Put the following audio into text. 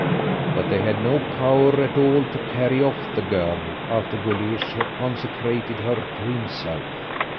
But they had no power at all to carry off the girl, after Guleesh had consecrated her to himself.